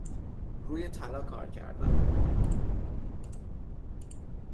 روی طلا کار کردن